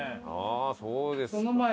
ああそうですか。